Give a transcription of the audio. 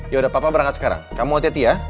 yaudah papa berangkat sekarang kamu hati hati ya